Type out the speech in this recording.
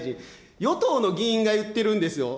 与党の議員が言ってるんですよ。